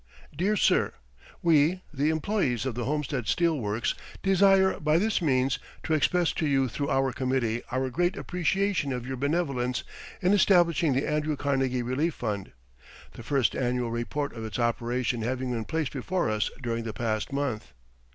DEAR SIR: We, the employees of the Homestead Steel Works, desire by this means to express to you through our Committee our great appreciation of your benevolence in establishing the "Andrew Carnegie Relief Fund," the first annual report of its operation having been placed before us during the past month.